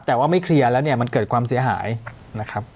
แต่ว่าไม่เคลียร์แล้วเนี่ยมันเกิดความเสียหายนะครับ